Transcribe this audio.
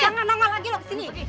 jangan normal lagi lo kesini